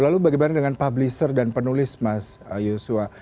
lalu bagaimana dengan publisher dan penulis mas yosua